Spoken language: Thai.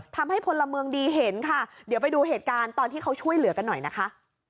พลเมืองดีเห็นค่ะเดี๋ยวไปดูเหตุการณ์ตอนที่เขาช่วยเหลือกันหน่อยนะคะ